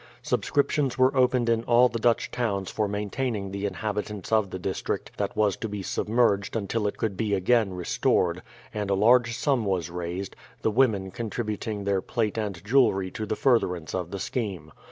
Subscriptions were opened in all the Dutch towns for maintaining the inhabitants of the district that was to be submerged until it could be again restored, and a large sum was raised, the women contributing their plate and jewellery to the furtherance of the scheme.